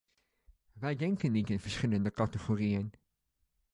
Wij denken niet in verschillende categorieën.